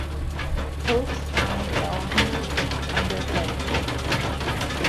Post Town, Elmham, under Thetford.